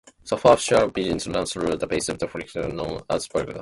Superficial veins run through the base of the frenulum known as varicosities.